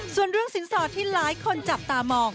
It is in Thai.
ส่วนเรื่องสินสอดที่หลายคนจับตามอง